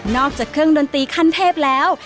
จากเครื่องดนตรีขั้นเทพแล้ว